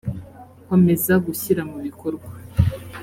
komeza gushyira mu bikorwa